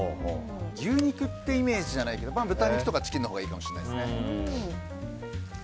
牛肉ってイメージじゃないけど豚肉とかチキンのほうがいいかもしれないですね。